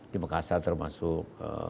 di makassar termasuk